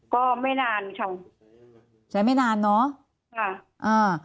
ก็ไม่นานค่ะใช้ไม่นานเนอะค่ะอ่า